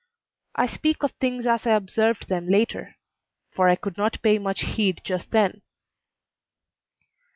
I speak of things as I observed them later, for I could not pay much heed just then.